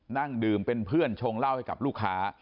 นั่งดื่มเป็นเพื่อนชงเหล้าให้กับลูกค้า